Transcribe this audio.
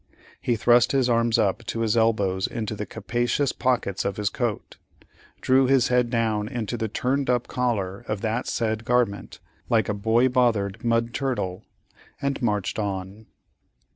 He thrust his arms up to his elbows into the capacious pockets of his coat, drew his head down into the turned up collar of that said garment, like a boy bothered mud turtle, and marched on.